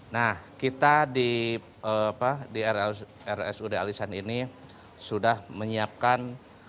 nah kita di rsud al ihsan ini sudah menyiapkan